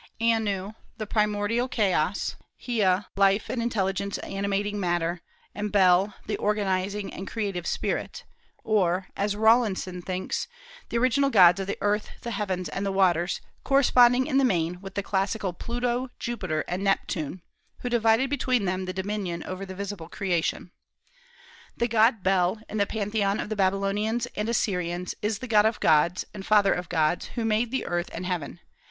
Anu, the primordial chaos; Hea, life and intelligence animating matter; and Bel, the organizing and creative spirit, or, as Rawlinson thinks, "the original gods of the earth, the heavens, and the waters, corresponding in the main with the classical Pluto, Jupiter, and Neptune, who divided between them the dominion over the visible creation." The god Bel, in the pantheon of the Babylonians and Assyrians, is the God of gods, and Father of gods, who made the earth and heaven.